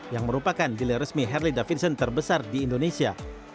yang merupakan dealer resmi harley davidson terbesar di indonesia